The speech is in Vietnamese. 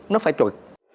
nó phải trội